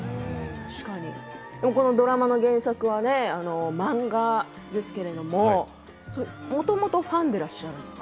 確かにドラマの原作は漫画ですけれどもともとファンでいらっしゃるんですか？